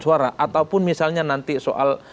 suara ataupun misalnya nanti soal